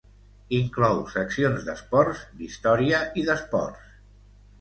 Inclou seccions d'esports, d'història i d'esports.